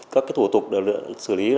các thủ tục được xử lý